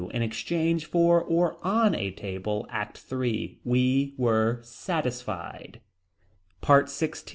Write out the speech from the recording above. In exchange for or on a table. ACT III. We were satisfied. PART XVI.